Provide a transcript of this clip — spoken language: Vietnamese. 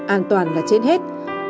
an toàn là trên hết